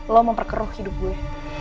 lo memperkeruh hidup gue